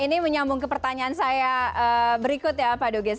ini menyambung ke pertanyaan saya berikut ya pak dugis